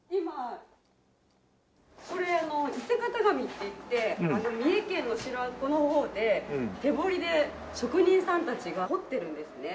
これ伊勢型紙っていって三重県の白子の方で手彫りで職人さんたちが彫ってるんですね。